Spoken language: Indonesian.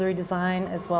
dan desain juri